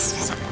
yes besok pagi